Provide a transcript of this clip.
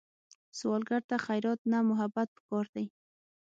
سوالګر ته خیرات نه، محبت پکار دی